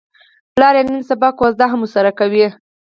پلار یې نن سبا کوزده هم ورسره کوي.